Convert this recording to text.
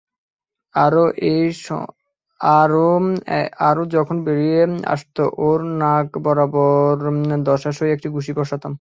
আর ও যখন বেরিয়ে আসত, ওর নাক বরাবর দশাসই একটা ঘুষি বসাতাম।